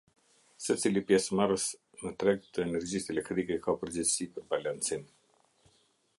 Secili pesëmarrës në treg të energjisë elektrike ka përgjegjësi për balancim.